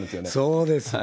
そうです。